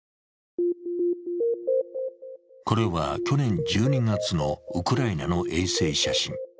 これは去年１２月のウクライナの衛星写真。